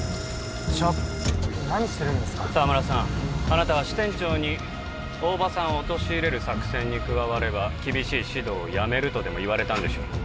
あなたは支店長に大庭さんを陥れる作戦に加われば厳しい指導をやめるとでも言われたんでしょう